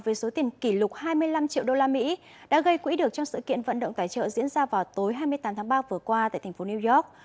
với số tiền kỷ lục hai mươi năm triệu đô la mỹ đã gây quỹ được trong sự kiện vận động tài trợ diễn ra vào tối hai mươi tám tháng ba vừa qua tại thành phố new york